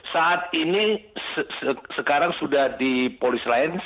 saat ini sekarang sudah di polis lain